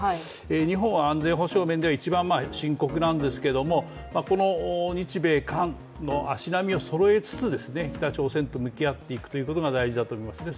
日本は安全保障面では一番深刻なんですけどこの日米韓の足並みをそろえつつ北朝鮮と向き合っていくということが大事だと思いますね。